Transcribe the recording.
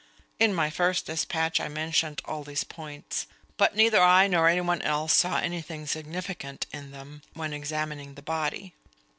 (In my first despatch I mentioned all these points, but neither I nor any one else saw anything significant in them, when examining the body.)